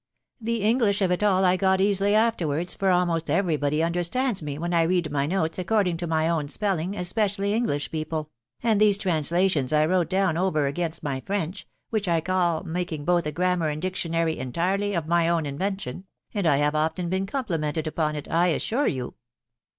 The English of it all I got easily afterwards, for almost every body understands me when I read my notes according to my own spelling> especially English people ; and these translations I wrote down over against my French, which I call making both a grammar and dictionary entirely of my own invention, .•. and I have often been complimented upon it, I assure you."